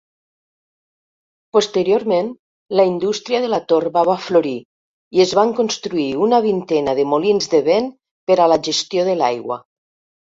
Posteriorment la indústria de la torba va florir i es van construir una vintena de molins de vent per a la gestió de l'aigua.